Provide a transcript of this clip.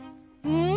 うん。